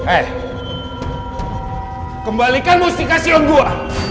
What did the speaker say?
eh kembalikan mustikasion gua